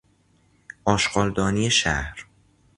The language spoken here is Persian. آشغالدانی شهر